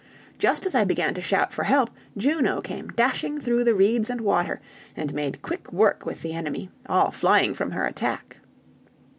"Just as I began to shout for help, Juno came dashing through the reeds and water, and made quick work with the enemy, all flying from her attack.